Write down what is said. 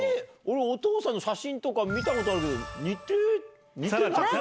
俺お父さんの写真とか見たことあるけど似て。